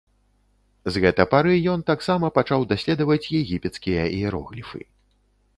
З гэта пары ён таксама пачаў даследаваць егіпецкія іерогліфы.